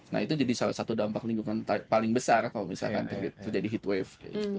nah itu jadi salah satu dampak lingkungan paling besar kalau misalkan terjadi heat wave